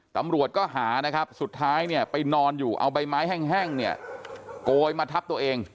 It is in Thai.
ตำรวจก็หานะครับสุดท้ายเนี่ยไปนอนอยู่เอาใบไม้แห้งเนี่ยโกยมาทับตัวเอง